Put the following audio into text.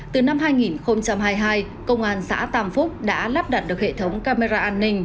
từ năm hai nghìn hai mươi hai công an xã tàm phúc đã lắp đặt được hệ thống camera an ninh